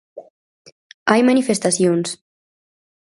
Hai manifestacións.